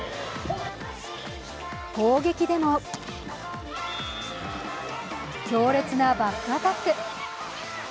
攻撃でも強烈なバックアタック。